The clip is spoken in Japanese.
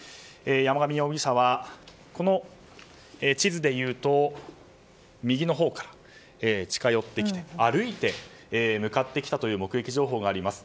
山上容疑者はこの地図でいうと右のほうから近寄ってきて歩いて向かってきたという目撃情報があります。